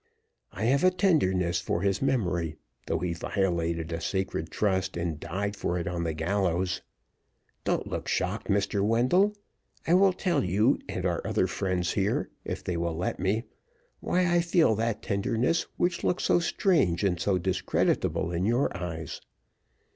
I have a tenderness for his memory, though he violated a sacred trust, and died for it on the gallows. Don't look shocked, Mr. Wendell. I will tell you, and our other friends here, if they will let me, why I feel that tenderness, which looks so strange and so discreditable in your eyes.